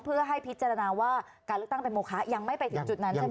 เพื่อให้พิจารณาว่าการเลือกตั้งเป็นโมคะยังไม่ไปถึงจุดนั้นใช่ไหม